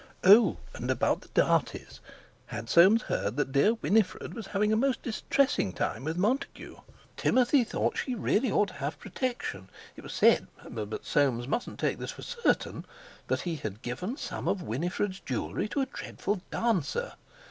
Oh! and about the Darties—had Soames heard that dear Winifred was having a most distressing time with Montague? Timothy thought she really ought to have protection It was said—but Soames mustn't take this for certain—that he had given some of Winifred's jewellery to a dreadful dancer.